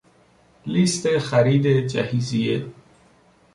لیست خرید جهیزیه: